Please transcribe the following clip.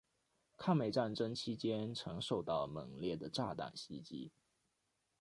抗美战争期间曾受到猛烈的炸弹袭击。